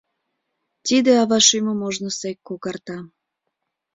Тиде ава шӱмым ожнысек когарта.